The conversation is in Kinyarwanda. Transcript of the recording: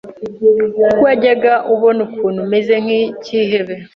kuko yajyaga abona ukuntu meze nk’ikihebe